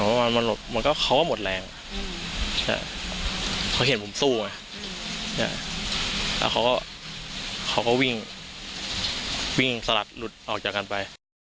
เหมือนว่ามันมันหลบมันก็เขาว่าหมดแรงอืมเขาเห็นผมสู้ไงอืมแล้วเขาก็เขาก็วิ่งวิ่งสลัดหลุดออกจากกันไป